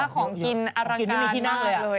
ของกินอลังการไม่มีที่นั่งเลย